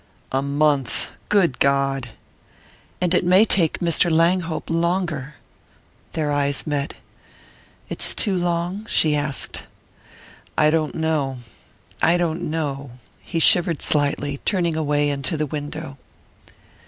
"A month good God!" "And it may take Mr. Langhope longer." Their eyes met. "It's too long ?" she asked. "I don't know I don't know." He shivered slightly, turning away into the window.